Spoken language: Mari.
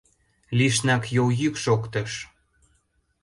Лишнак йол йӱк шоктыш.